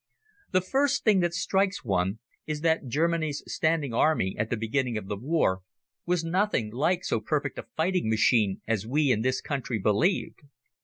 The first thing that strikes one is that Germany's standing army at the beginning of the war was nothing like so perfect a fighting machine as we in this country believed.